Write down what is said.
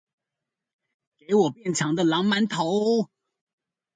給我變強的狼鰻頭